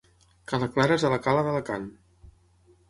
Ca la Clara és a la cala d'Alacant.